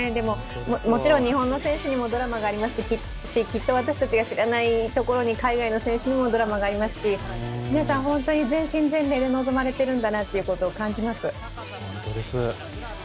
もちろん日本の選手にもドラマがありますし、きっと私たちが知らないところに海外の選手もドラマがありますし皆さん本当に全身全霊で臨まれているんだなということを感じます。